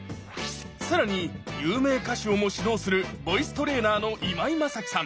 さらに有名歌手をも指導するボイストレーナーの今井マサキさん